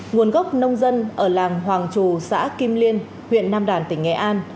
nguồn gốc nông dân ở làng hoàng trù xã kim liên huyện nam đàn tỉnh nghệ an